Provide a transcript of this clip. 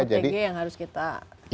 ptg yang harus kita cermati